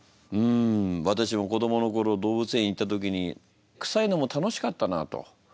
ん私も子どもの頃動物園行った時にくさいのも楽しかったなと。